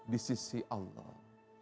di sisi allah